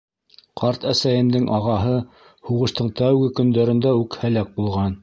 Ҡартәсәйемдең ағаһы һуғыштың тәүге көндәрендә үк һәләк булған.